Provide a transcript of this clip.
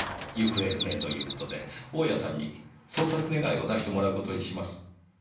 行方不明という事で大家さんに捜索願を出してもらう事にします。